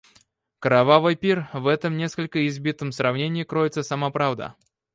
Кровавый пир — в этом несколько избитом сравнении кроется сама правда.